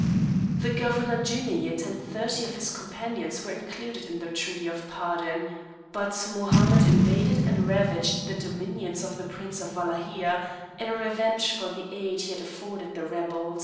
The Governor Djouneid and thirty of his companions were included in the treaty of pardon, but Mohammed invaded and ravaged the dominions of the Prince of Walachia, in revenge for the aid he had afforded the rebels.